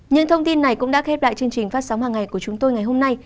những thông tin này cũng đã khép lại chương trình phát sóng hàng ngày của chúng tôi ngày hôm nay